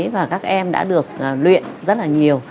và các em đã được luyện rất là nhiều